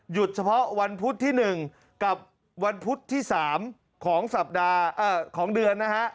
หยุดเฉพาะวันพุธที่๑กับวันพุธที่๓ของเดือนนะฮะ